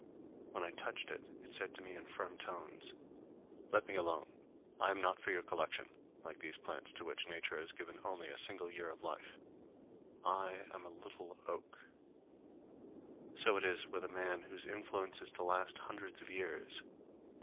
When I touched it, it said to me in firm tones: _Let me alone; I am not for your collection, like these plants to which Nature has given only a single year of life. I am a little oak_. So it is with a man whose influence is to last for hundreds of years.